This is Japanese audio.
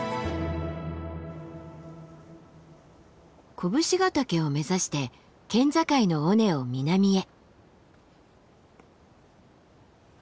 甲武信ヶ岳を目指して県境の尾根を南へ。